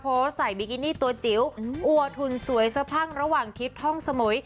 ใส่บิกินี่ตัวจิ๋วอัวทุนสวยสะพั่งระหว่างทริปท่องสมุย